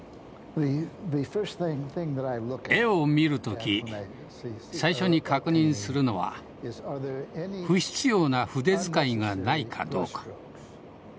絵を見る時最初に確認するのは不必要な筆遣いがないかどうか。